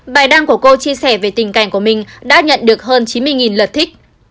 bài đăng của cô chia sẻ về tình cảnh của mình đã nhận được hơn chín mươi lượt thích